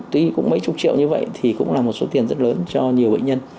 tuy cũng mấy chục triệu như vậy thì cũng là một số tiền rất lớn cho nhiều bệnh nhân